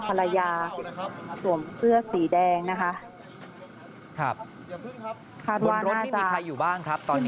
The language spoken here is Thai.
ภรรยาตรวมเสื้อสีแดงนะคะครับเจอตอนนี้ทั้ง